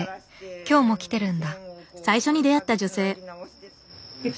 今日も来てるんだ。